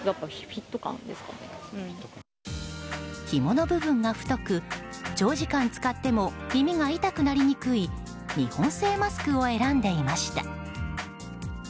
ひもの部分が太く長時間使っても耳が痛くなりにくい日本製マスクを選んでいました。